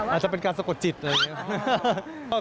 อาจจะเป็นการสะกดจิตอะไรอย่างนี้